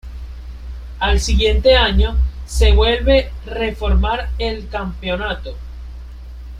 Al siguiente año, se vuelve reformar el campeonato.